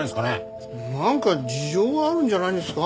なんか事情があるんじゃないんですか？